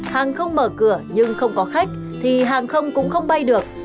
hàng không mở cửa nhưng không có khách thì hàng không cũng không bay được